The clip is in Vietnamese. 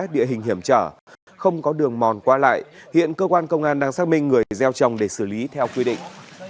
địa hình hiểm trở không có đường mòn qua lại hiện cơ quan công an đang xác minh người gieo trồng để xử lý theo quy định